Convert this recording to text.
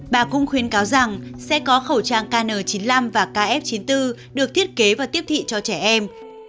bà cũng khuyên cáo rằng sẽ có khẩu trang kn chín mươi năm và kf chín mươi bốn được thiết kế và tiếp thị cho trẻ em